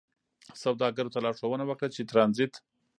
سوداګرو ته لارښوونه وکړه چې ترانزیت